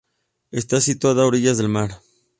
Está situada a orillas del mar.